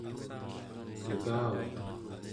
negavaq